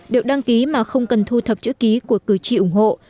được đăng ký mà không cần thu thập chữ ký của cử tri ủng hộ